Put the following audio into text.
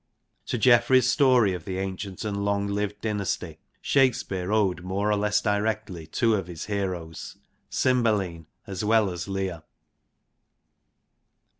To Geoffrey's story of the ancient and long lived dynasty, Shakespeare owed more or less directly two of his heroes Cymbeline as well as Lear.